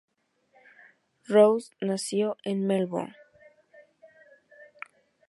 Rose nació en Melbourne.